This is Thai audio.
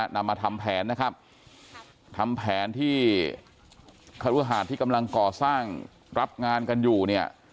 นำมาทำแผนนะครับทำแผนที่ครุหาดที่กำลังก่อสร้างรับงานกันอยู่เนี่ย